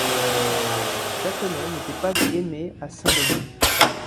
Jaconey n'était pas aimée à Saint-Donat.